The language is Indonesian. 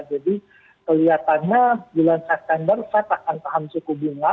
jadi kelihatannya bulan september fed akan tahan suku bunga